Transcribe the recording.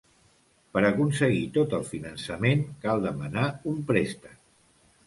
Per aconseguir tot el finançament, cal demanar un préstec.